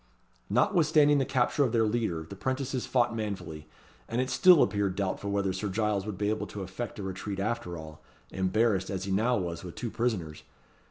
Notwithstanding the capture of their leader, the 'prentices fought manfully, and it still appeared doubtful whether Sir Giles would be able to effect a retreat after all, embarrassed as he now was with two prisoners.